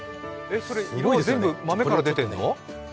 色、全部豆から出てんの？